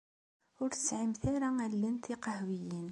Ur tesɛimt ara allen tiqehwiyin.